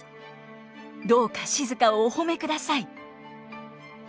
どうか静をお褒めください」。